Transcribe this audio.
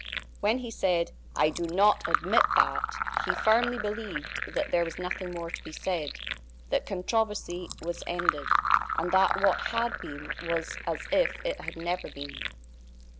When he said: "I do not admit that!" he firmly believed that there was nothing more to be said; that controversy was ended; and that what had been was as if it had never been.